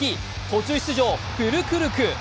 途中出場、フュルクルク。